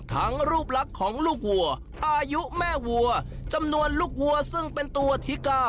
รูปลักษณ์ของลูกวัวอายุแม่วัวจำนวนลูกวัวซึ่งเป็นตัวที่๙